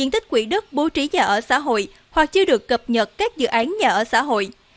tích quỹ đất bố trí nhà ở xã hội hoặc chưa được cập nhật các dự án nhà ở xã hội